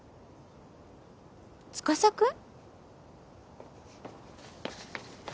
司くん？